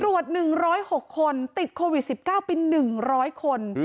ตรวจ๑๐๖คนติดโควิด๑๙ไป๑๐๐คน